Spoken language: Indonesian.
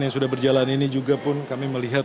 yang sudah berjalan ini juga pun kami melihat